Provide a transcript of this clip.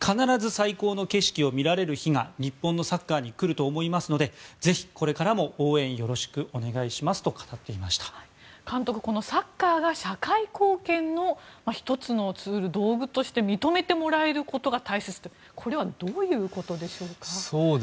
必ず最高の景色を見られる日が日本のサッカーに来ると思いますのでぜひこれからも応援よろしくお願いしますと監督、このサッカーが社会貢献の１つのツール認めてもらえることが大切とこれはどういうことでしょうか。